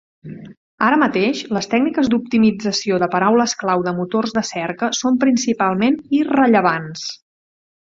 Ara mateix, les tècniques d"optimització de paraules clau de motors de cerca són principalment irrellevants.